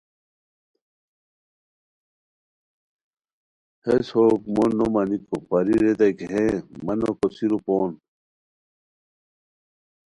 ہیس ہو حکمو نو مانیکو پری ریتائے کی ہیں مہ نو کوسیرو پون!